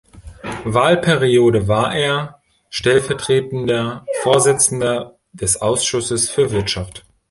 Wahlperiode war er stellvertretender Vorsitzender des Ausschusses für Wirtschaft.